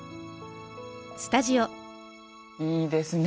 いいですね。